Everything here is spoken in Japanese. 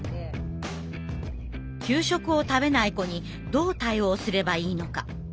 給食を食べない子にどう対応すればいいのか。